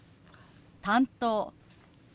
「担当」。